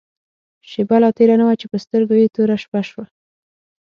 شېبه لا تېره نه وه چې په سترګو يې توره شپه شوه.